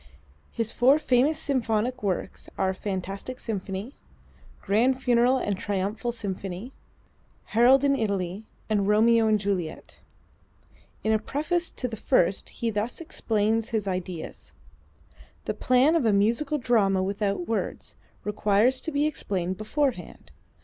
His four famous symphonic works are: "Fantastic Symphony," "Grand Funeral and Triumphal Symphony," "Harold in Italy" and "Romeo and Juliet." In a preface to the first he thus explains his ideas: "The plan of a musical drama without words, requires to be explained beforehand.